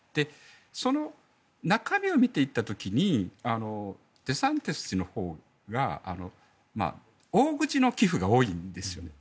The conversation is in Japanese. その中身を見ていった時にデサンティス氏のほうが大口の寄付が多いんですよね。